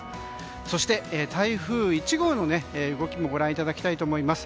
そして、台風１号の動きもご覧いただきたいと思います。